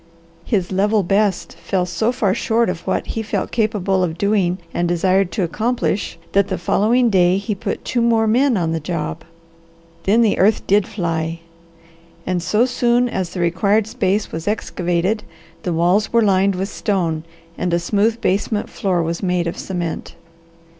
His level best fell so far short of what he felt capable of doing and desired to accomplish that the following day he put two more men on the job. Then the earth did fly, and so soon as the required space was excavated the walls were lined with stone and a smooth basement floor was made of cement.